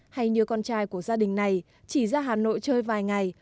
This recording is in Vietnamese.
hay như con trai của gia đình này chỉ ra hà nội chơi vài ngày